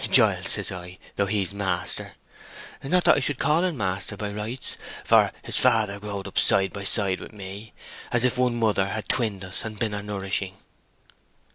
'Giles,' says I, though he's maister. Not that I should call'n maister by rights, for his father growed up side by side with me, as if one mother had twinned us and been our nourishing."